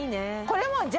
これも。